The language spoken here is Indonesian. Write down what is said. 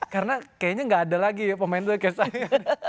karena kayaknya gak ada lagi pemain ternyata kayak saya